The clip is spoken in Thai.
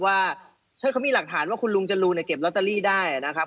ว่าถ้าเขามีหลักฐานว่าคุณลุงจรูนเนี่ยเก็บลอตเตอรี่ได้นะครับ